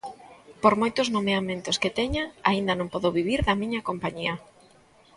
Por moitos nomeamentos que teña, aínda non podo vivir da miña compañía.